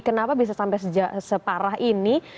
kenapa bisa sampai separah ini